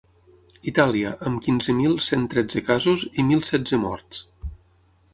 Itàlia, amb quinze mil cent tretze casos i mil setze morts.